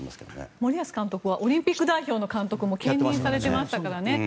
森保監督はオリンピック代表の監督も兼任されてましたからね。